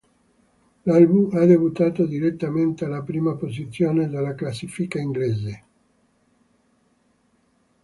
L'album ha debuttato direttamente alla prima posizione della classifica inglese.